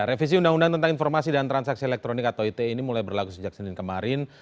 revisi undang undang tentang informasi dan transaksi elektronik atau it ini mulai berlaku sejak senin kemarin